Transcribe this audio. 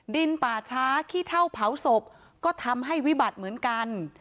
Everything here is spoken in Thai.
ป่าช้าขี้เท่าเผาศพก็ทำให้วิบัติเหมือนกัน